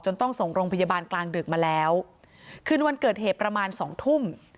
ต้องส่งโรงพยาบาลกลางดึกมาแล้วคืนวันเกิดเหตุประมาณสองทุ่ม